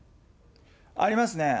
ありますね。